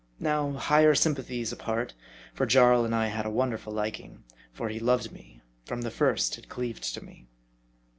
Now, higher sympathies apart, for 'Jarl I had a wonderful liking ; for he loved me ; from the first had cleaved to me.